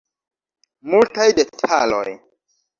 Multaj detaloj.